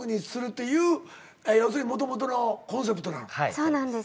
そうなんです。